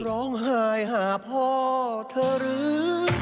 ร้องไห้หาพ่อเธอหรือ